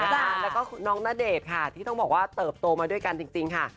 แล้วก็น้องณเดชน์ค่ะที่ต้องบอกว่าเติบโตมาด้วยกันจริงค่ะ